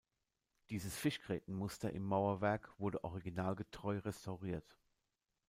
Dieses Fischgrätenmuster im Mauerwerk wurde originalgetreu restauriert.